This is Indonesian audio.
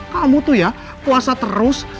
kamu tuh ya puasa terus